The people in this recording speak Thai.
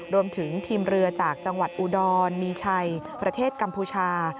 รวมถึงทีมเรือจากจังหวัดอุดรมีชัยประเทศกัมพูชา